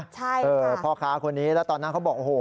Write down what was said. ใช่เออพ่อค้าคนนี้แล้วตอนนั้นเขาบอกโอ้โห